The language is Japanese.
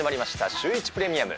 シューイチプレミアム。